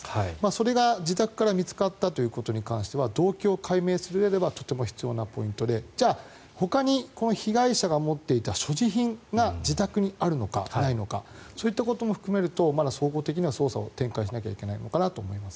それが自宅から見つかったということに関しては動機を解明するうえではとても必要なポイントでじゃあ、ほかに被害者が持っていた所持品が自宅にあるのかないのかそういったことも含めるとまだ総合的に捜査を展開しなきゃいけないのかなと思います。